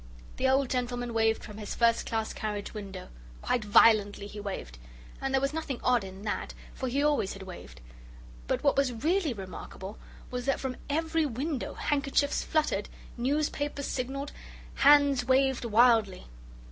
The old gentleman waved from his first class carriage window. Quite violently he waved. And there was nothing odd in that, for he always had waved. But what was really remarkable was that from every window handkerchiefs fluttered, newspapers signalled, hands waved wildly.